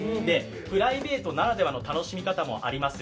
プライベートならではの楽しみ方もできます。